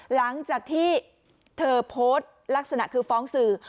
หลังจากที่เธอโพสต์ลักษณะคือฟ้องสื่อ